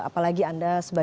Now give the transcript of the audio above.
apalagi anda sebagai salah satu